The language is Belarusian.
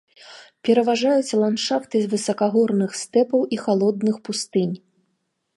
Пераважаюць ландшафты высакагорных стэпаў і халодных пустынь.